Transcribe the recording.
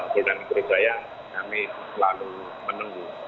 bdm keduduk dayang kami selalu menunggu